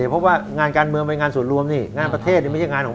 เพราะในยังงานมันยังส่อง